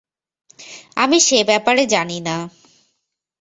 আমি সে ব্যাপারে জানি না।